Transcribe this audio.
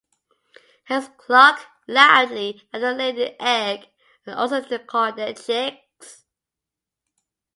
Hens cluck loudly after laying an egg, and also to call their chicks.